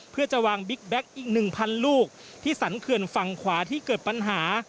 เพื่อจะวางบิ๊กแก๊กอีก๑๐๐ลูกที่สรรเขื่อนฝั่งขวาที่เกิดปัญหา